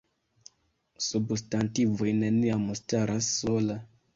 Substantivoj neniam staras sola.